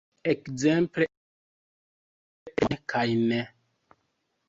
Ekzemple estu termoj "n" kaj "n".